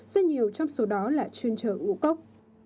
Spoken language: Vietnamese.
rất nhiều trong số đó là chuyên trở ngũ cốc